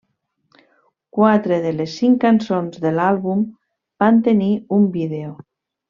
Quatre de les cinc cançons de l'àlbum van tenir un vídeo.